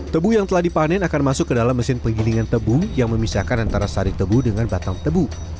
tebu yang telah dipanen akan masuk ke dalam mesin penggilingan tebu yang memisahkan antara sari tebu dengan batang tebu